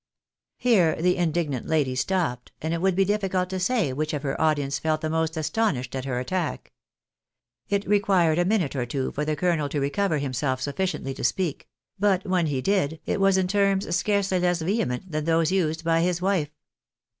Here the indignant lady stopped, and it would be difficult to say which of her audience felt the most astonished at her attack. VXJNUICATION POSTPONED. 215 It required a minute or two for the colonel to recover himself suf ficiently to speak ; but when he did, it was in terms scarcely less vehement than those used by his wife.